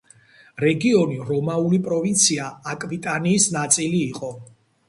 რეგიონი რომაული პროვინცია აკვიტანიის ნაწილი იყო.